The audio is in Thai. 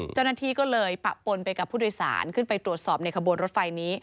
เจ้าหน้าที่ก็เลยปะปนไปกับผู้โดยสารขึ้นไปตรวจสอบในขบวนรถไฟนี้